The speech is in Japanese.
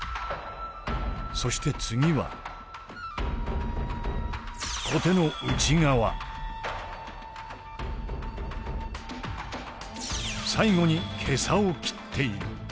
そして次は最後に袈裟を斬っている。